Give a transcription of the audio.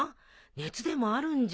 熱でもあるんじゃ。